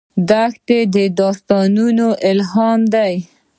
دښته د داستانونو الهام ده.